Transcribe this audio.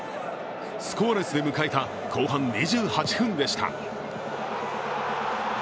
スコアレスで迎えた後半２８分でした。